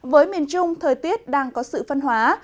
với miền trung thời tiết đang có sự phân hóa